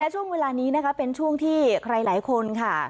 ช่วงเวลานี้นะคะเป็นช่วงที่ใครหลายคนค่ะ